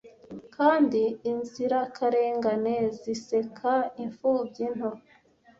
kandi inzirakarengane ziseka imfubyi nto